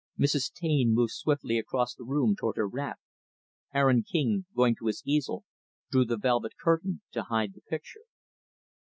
Mrs. Taine moved swiftly across the room toward her wrap. Aaron King, going to his easel, drew the velvet curtain to hide the picture.